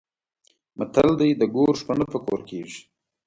متل دی: د ګور شپه نه په کور کېږي.